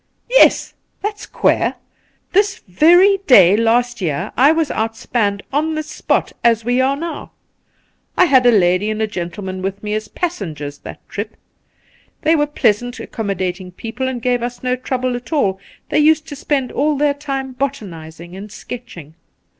Yes, that's queer. This very day last year I was outspanned on this spot, as we are now. I had a lady and gentleman with me as passengers that trip. They were pleasant, accommodating people, and gave us no trouble at all ; they used to spend all their time botanizing and sketching.